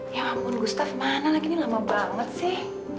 ya ampun gustaf mana lagi ini lama banget sih